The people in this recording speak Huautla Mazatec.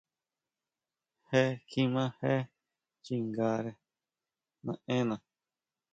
Je kjima jee chingare naʼenna.